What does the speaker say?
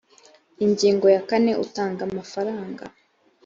ingingo ya kane utanga amafaranga